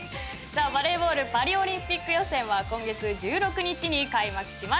バレーボールパリオリンピック予選は今月１６日に開幕します。